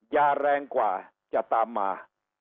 ยาแรงกว่าจะตามมา